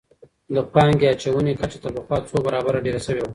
د پانګې اچونې کچه تر پخوا څو برابره ډېره سوي وه.